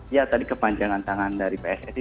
ya tadi kepanjangan tangan dari pssi